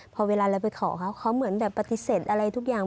พอเวลาเราไปขอเขาเขาเหมือนแบบปฏิเสธอะไรทุกอย่าง